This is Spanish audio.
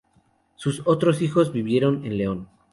Sus otros hijos vivieron en León.